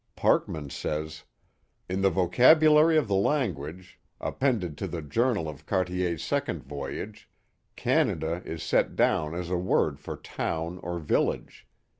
Parkman says: In the vocabulary of the language ap pended to the journal of Cartier's second voyage, Canada is set down as a word for town or village.